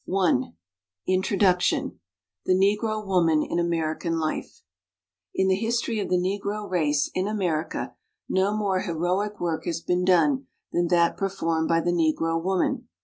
I. INTRODUCTION. The Ne&ro Woman in American Life In the history of the Negro race in America no more heroic work has been done than that performed by the Negro woman.